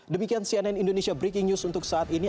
demikian cnn indonesia breaking news untuk saat ini